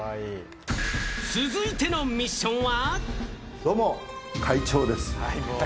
続いてのミッションは。